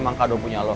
makasih banyak loh